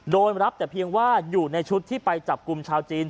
โดยรับแต่เพียงว่าอยู่ในชุดที่ไปจับกลุ่มชาวจีน